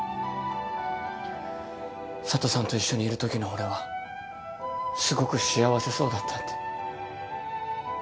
佐都さんと一緒にいるときの俺はすごく幸せそうだったって。